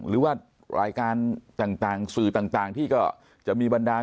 หรือว่ารายการต่างสื่อต่างที่ก็จะมีบรรดาล